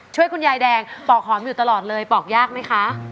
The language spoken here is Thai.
ช่วยคุณยายแดงปอกหอมอยู่ตลอดเลยปอกยากไหมคะ